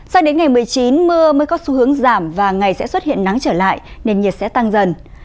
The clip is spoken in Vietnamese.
sang đến ngày một mươi chín mưa mới có xu hướng giảm và ngày sẽ xuất hiện nắng trở lại nền nhiệt sẽ tăng dần